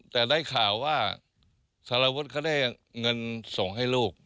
แต่ได้ข่าวว่าสารวุฒิเขาได้เงินส่งให้ลูก